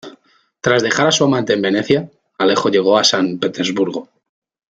Tras dejar a su amante en Venecia, Alejo llegó a San Petersburgo.